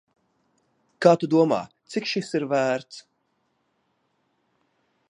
Kā tu domā, cik šis ir vērts?